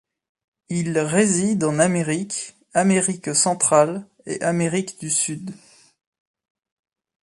Ils résident en Amérique, Amérique centrale et Amérique du Sud.